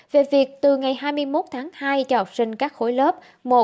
về việc từ ngày hai mươi một tháng hai cho học sinh các khối lớp một hai ba bốn năm sáu